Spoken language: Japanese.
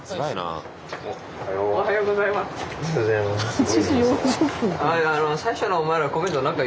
おはようございます。